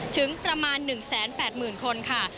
ถึงประมาณ๑แสน๘หมื่นคนค่ะ